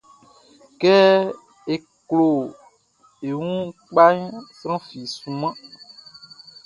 Kɛ e klo e wun kpaʼn, sran fi sunman.